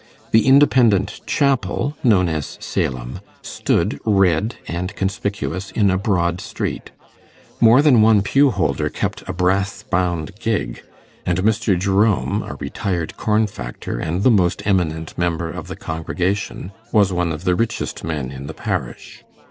The Independent chapel, known as Salem, stood red and conspicuous in a broad street; more than one pew holder kept a brass bound gig; and Mr. Jerome, a retired corn factor, and the most eminent member of the congregation, was one of the richest men in the parish.